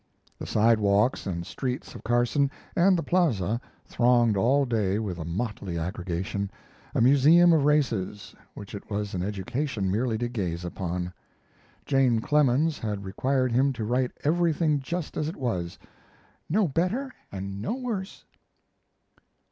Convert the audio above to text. The sidewalks and streets of Carson, and the Plaza, thronged all day with a motley aggregation a museum of races, which it was an education merely to gaze upon. Jane Clemens had required him to write everything just as it was "no better and no worse."